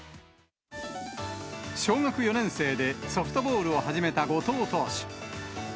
小学４年生でソフトボールを始めた後藤投手。